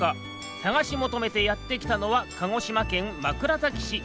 さがしもとめてやってきたのは鹿児島県枕崎市。